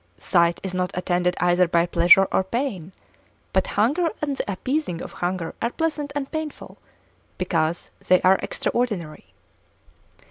Sight is not attended either by pleasure or pain, but hunger and the appeasing of hunger are pleasant and painful because they are extraordinary.